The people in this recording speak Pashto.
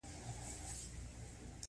کوچني شیان اتومونه لري